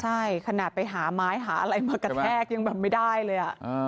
ใช่ขนาดไปหาไม้หาอะไรมากระแทกยังแบบไม่ได้เลย